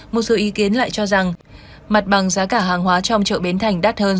một số ý kiến lại cho rằng mặt bằng giá cả hàng hóa trong chợ bến thành đắt hơn